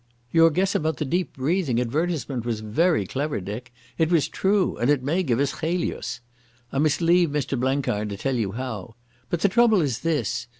"Your guess about the 'Deep breathing' advertisement was very clever, Dick. It was true, and it may give us Chelius. I must leave Mr Blenkiron to tell you how. But the trouble is this.